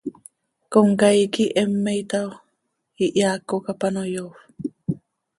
Comcaii quih heme itaao, ihyaaco cap ano yoofp.